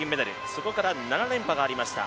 そこから７連覇がありました。